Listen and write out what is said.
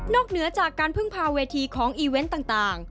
เหนือจากการพึ่งพาเวทีของอีเวนต์ต่าง